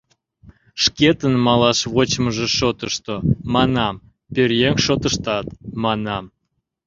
Шкетын малаш вочмыжо шотышто, манам, пӧръеҥ шотыштат, манам.